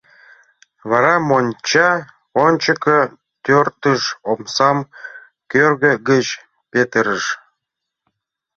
Вара монча ончыко тӧрштыш, омсам кӧргӧ гыч петырыш.